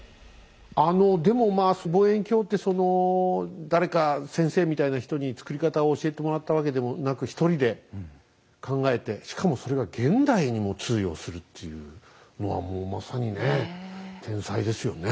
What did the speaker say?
あのでもまあ望遠鏡ってその誰か先生みたいな人に作り方を教えてもらったわけでもなく一人で考えてしかもそれが現代にも通用するっていうのはもうまさにね天才ですよね。